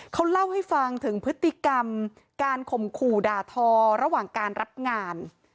เขาเล่าให้ฟังถึงพฤติกรรมการข่มขู่ด่าทอระหว่างการรับงาน